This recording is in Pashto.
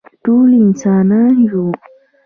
ټول انسانان یو